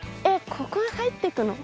ここへ入ってくの？